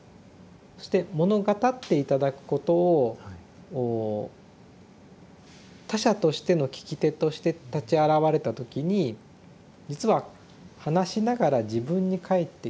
そして物語って頂くことを他者としての聞き手として立ち現れた時に実は話しながら自分に返ってきている。